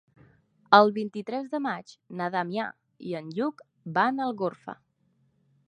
El vint-i-tres de maig na Damià i en Lluc van a Algorfa.